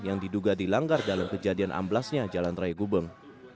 yang diduga dilanggar dalam kejadian amblasnya jalan raya gubeng